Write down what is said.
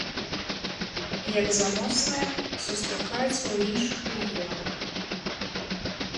Як заносная, сустракаецца ў іншых рэгіёнах.